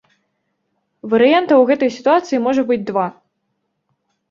Варыянтаў у гэтай сітуацыі можа быць два.